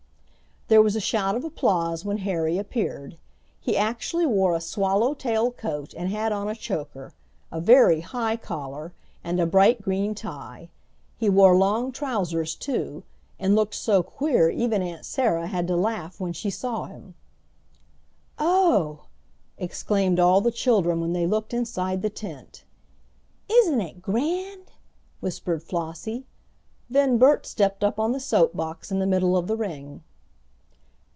There was a shout of applause when Harry appeared. He actually wore a swallowtail coat and had on a choker a very high collar and a bright green tie. He wore long trousers too, and looked so queer even Aunt Sarah had to laugh when she saw him. "Oh!" exclaimed all the children when they looked inside the tent. "Isn't it grand!" whispered Flossie. Then Bert stepped up on the soap box in the middle of the ring.